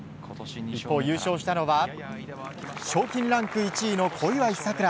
一方、優勝したのは賞金ランク１位の小祝さくら。